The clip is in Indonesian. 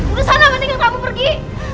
udah sana mendingan kamu pergi